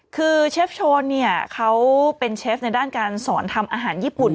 คือเชฟโชนเนี่ยเขาเป็นเชฟในด้านการสอนทำอาหารญี่ปุ่น